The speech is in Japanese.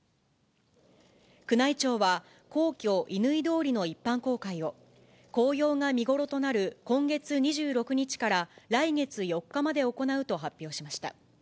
宮内庁は、皇居・乾通りの一般公開を、紅葉が見頃となる今月２６日から来月４日まで行うと発表しました。